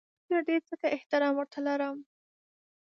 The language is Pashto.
مشر دی ځکه احترام ورته لرم